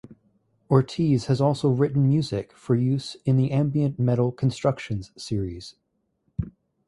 Ortiz has also written music for use in the Ambient Metal Constructions series.